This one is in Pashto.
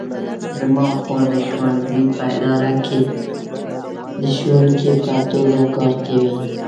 زما خور د ښوونځي په اداره کې د ښوونکې په توګه کار کوي